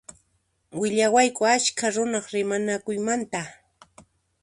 Willawayku askha runaq rimanakuymanta.